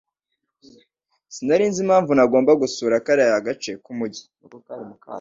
Sinari nzi impamvu ntagomba gusura kariya gace k'umujyi